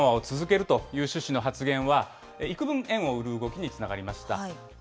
大規模緩和を続けるという趣旨の発言はいくぶん、円を売る動きにつながりました。